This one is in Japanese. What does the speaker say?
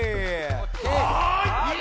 はい！